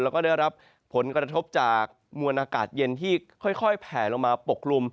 แล้วก็ได้รับผลกระทบจากมวลอากาศเย็นที่ค่อยแผลลงมาปกกลุ่ม